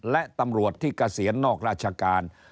และตำรวจที่เกษียณนอกราชการ